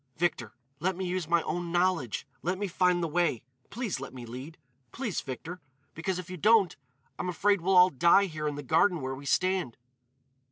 Victor, let me use my own knowledge! Let me find the way. Please let me lead! Please, Victor. Because, if you don't, I'm afraid we'll all die here in the garden where we stand."